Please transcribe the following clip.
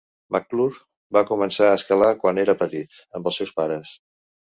McClure va començar a escalar quan era petit, amb els seus pares.